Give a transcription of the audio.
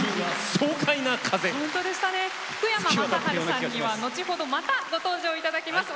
福山雅治さんには後ほどまたご登場いただきます。